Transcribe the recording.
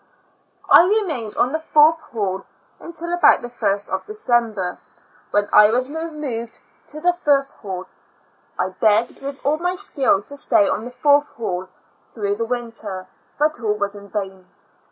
I remained on the fourth hall until about the first of December, when I was removed to the first hall. I begged with all my skill to stay on the fourth hall through the winter, but all was in vain.